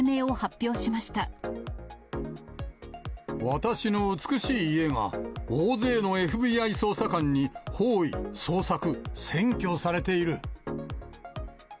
私の美しい家が、大勢のＦＢＩ捜査官に包囲、捜索、占拠されている。